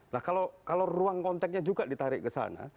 nah kalau ruang konteksnya juga ditarik ke sana